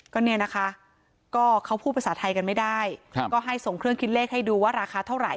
ก็เนี่ยนะคะก็เขาพูดภาษาไทยกันไม่ได้ก็ให้ส่งเครื่องคิดเลขให้ดูว่าราคาเท่าไหร